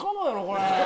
これ。